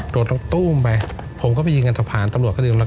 โดดตรงตู้มไปผมก็ไปยืนกันทะพานตำรวจก็ยืนกัน